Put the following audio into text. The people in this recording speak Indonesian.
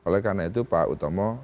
oleh karena itu pak utomo